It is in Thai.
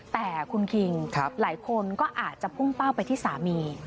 แต่คุณคิงหลายคนก็อาจจะพุ่งเป้าไปที่สามี